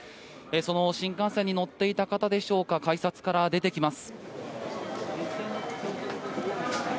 その新幹線に乗っていた方でしょうか改札から出てきます。